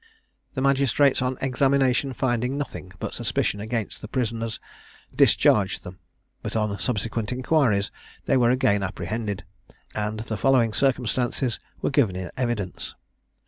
The magistrates, on examination, finding nothing but suspicion against the prisoners, discharged them; but on subsequent inquiries, they were again apprehended, and the following circumstances were given in evidence.